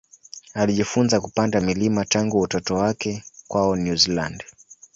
Alijifunza kupanda milima tangu utoto wake kwao New Zealand.